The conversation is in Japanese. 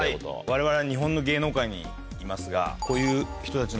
われわれは日本の芸能界にいますが。